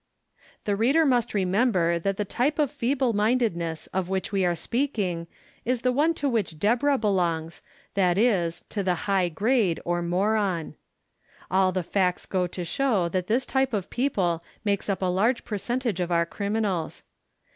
The reader must remember that the type of feeble mindedness of which we are speaking is the one to which Deborah belongs, that is, to the high grade, or moron. All the facts go to show that this type of people makes up a large percentage of our criminals.